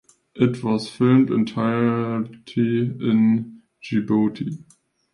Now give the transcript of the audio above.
It was filmed entirety in Djibouti.